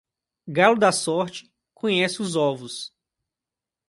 Galo da sorte conhece os ovos.